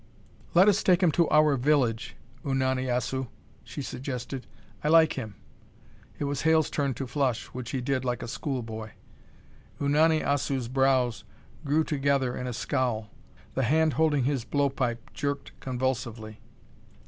"Let us take him to our village, Unani Assu!" she suggested. "I like him." It was Hale's turn to flush, which he did like a schoolboy. Unani Assu's brows drew together in a scowl. The hand holding his blow pipe jerked convulsively.